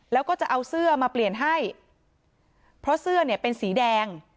แล้วก็จะเอาเสื้อมาเปลี่ยนให้เพราะเสื้อเนี่ยเป็นสีแดง